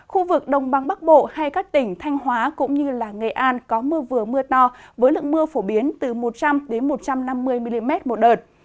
khu vực đồng băng bắc bộ hay các tỉnh thanh hóa cũng như nghệ an có mưa vừa mưa to với lượng mưa phổ biến từ một trăm linh một trăm năm mươi mm một đợt